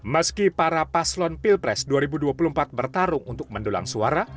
meski para paslon pilpres dua ribu dua puluh empat bertarung untuk mendulang suara